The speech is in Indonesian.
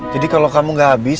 jadi kalau kamu gak habis